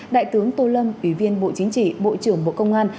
đại tướng tô lâm ủy viên bộ chính trị bộ trưởng bộ công an